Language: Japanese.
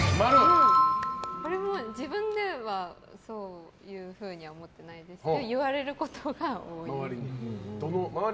これも自分ではそういうふうには思ってないんですけど言われることが多いです。